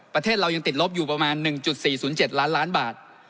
ประเทศเรายังติดลบอยู่ประมาณ๑๔๐๗ล้านล้านบาท